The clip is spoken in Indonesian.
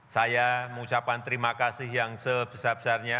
saya mengucapkan terima kasih yang sebesar besarnya